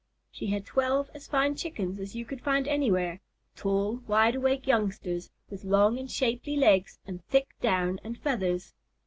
She had twelve as fine Chickens as you could find anywhere: tall, wide awake youngsters with long and shapely legs and thick down and feathers.